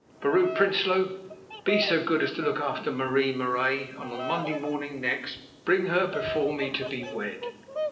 Vrouw Prinsloo, be so good as to look after Marie Marais, and on Monday morning next bring her before me to be wed.